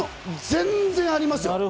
全然ありますよ。